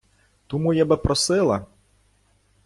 Тому я би просила...